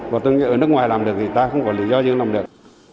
và tôi nghĩ ở nước ngoài làm được thì ta không có lý do như làm được